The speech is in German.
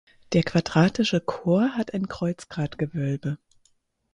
Der quadratische Chor hat ein Kreuzgratgewölbe.